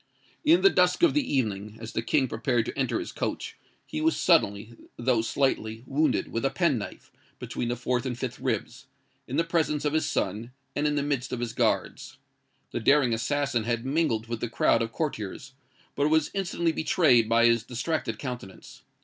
In the dusk of the evening, as the King prepared to enter his coach, he was suddenly, though slightly, wounded, with a pen knife, between the fourth and fifth ribs, in the presence of his son, and in the midst of his guards. The daring assassin had mingled with the crowd of courtiers, but was instantly betrayed by his distracted countenance.